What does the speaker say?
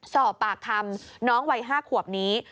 สอบปากคำน้องวัย๕ขวบนี้